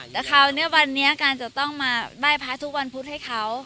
แต่เขาวันนี้การจะต้องมาบ้ายพระทุกวันพุธให้เขา